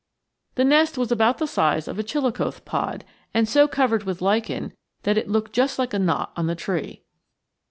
The nest was about the size of a chilicothe pod, and so covered with lichen that it looked just like a knot on the tree.